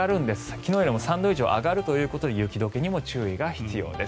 昨日よりも３度以上上がるということで雪解けにも注意が必要です。